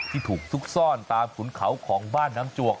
ถูกซุกซ่อนตามขุนเขาของบ้านน้ำจวก